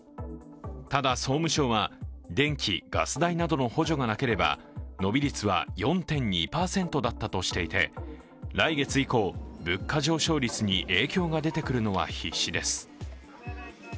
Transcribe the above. ただ総務省は、電気・ガス代などの補助がなければ、伸び率は４．２％だったとしていて来月以降、物価上昇率に影響が出てくるのは必至です。